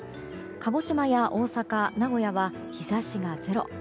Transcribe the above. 鹿児島や大阪、名古屋は日差しがゼロ。